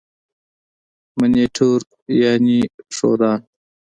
منیټور یعني ښودان.